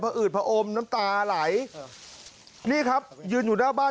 พออืดผอมน้ำตาไหลนี่ครับยืนอยู่หน้าบ้าน